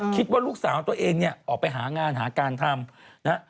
คิดว่าลูกสาวตัวเองเนี่ยออกไปหางานหาการทำนะฮะ